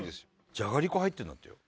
じゃがりこ入ってるんだってよ。